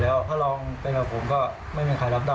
แล้วผู้ชายคนนี้หรอครับ